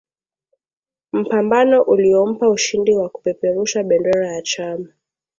Mpambano uliompa ushindi wa kupeperusha bendera ya chama